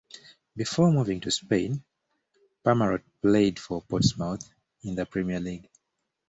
Before moving to Spain, Pamarot played for Portsmouth in the Premier League.